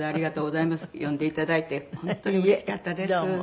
読んでいただいて本当にうれしかったです。